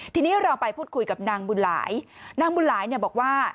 ทีนี้เราไปพูดคุยกับนางบุญหลายนางบุญหลายเนี่ยบอกว่า